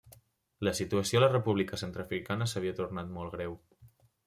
La situació a la República Centreafricana s'havia tornat molt greu.